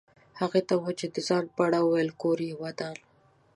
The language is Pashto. هغه ته مو چې د ځان په اړه وویل کور یې ودان.